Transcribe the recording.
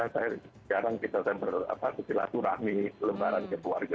saya jarang kita berkecil kecilan turahmi kelemparan ke keluarga